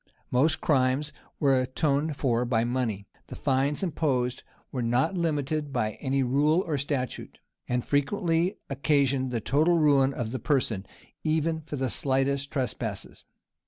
[] Most crimes were atoned for by money; the fines imposed were not limited by any rule or statute; and frequently occasioned the total ruin of the person, even for the slightest trespasses.